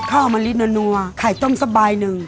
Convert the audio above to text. ไข่ต้มสบายนึง